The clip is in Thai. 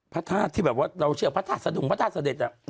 พระธาตุที่แบบว่าเราเชื่อพระธาตุสะดุงพระธาตุเสด็จ